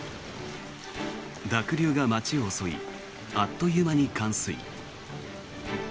濁流が街を襲いあっという間に冠水。